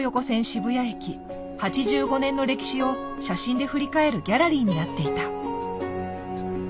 渋谷駅８５年の歴史を写真で振り返るギャラリーになっていた。